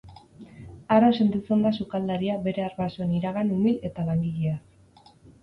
Harro sentitzen da sukaldaria bere arbasoen iragan umil eta langileaz.